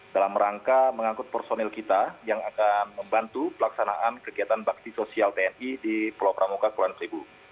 dalam rangka mengangkut personil kita yang akan membantu pelaksanaan kegiatan bakti sosial tni di pulau pramuka kepulauan seribu